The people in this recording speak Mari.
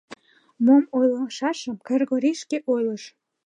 Мом ойлышашым Кыргорий шке ойлыш.